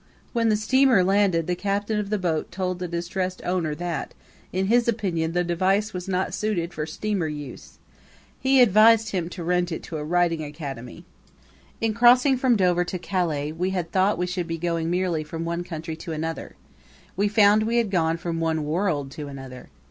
When the steamer landed the captain of the boat told the distressed owner that, in his opinion, the device was not suited for steamer use. He advised him to rent it to a riding academy. In crossing from Dover to Calais we had thought we should be going merely from one country to another; we found we had gone from one world to another.